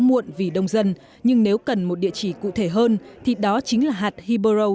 muộn vì đông dân nhưng nếu cần một địa chỉ cụ thể hơn thì đó chính là hạt hiborw